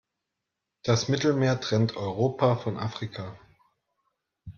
Das Mittelmeer trennt Europa von Afrika.